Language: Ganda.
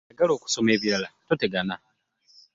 Ayagala okusoma ebirala totegana.